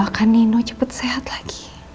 saya doakan nino cepet sehat lagi